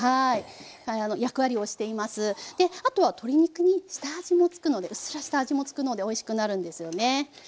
であとは鶏肉に下味もつくのでうっすら下味もつくのでおいしくなるんですよね。